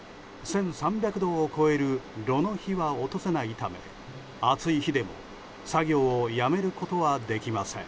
１３００度を超える炉の火は落とせないため暑い日でも作業をやめることはできません。